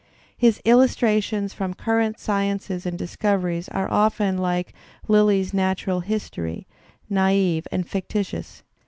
His illustrations from current sciences and discoveries are often like Lyly's natural history, naive and fictitious.